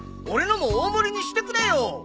俺のも大盛りにしてくれよ！